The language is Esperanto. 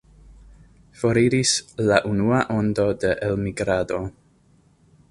Foriris la unua ondo de elmigrado.